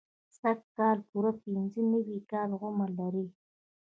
سږ کال پوره پنځه نوي کاله عمر لري.